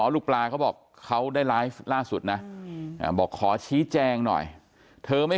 ลูกปลาเขาบอกเขาได้ไลฟ์ล่าสุดนะบอกขอชี้แจงหน่อยเธอไม่